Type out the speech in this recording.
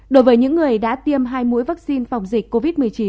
đối với những người đã tiêm hai mũi vaccine phòng dịch covid một mươi chín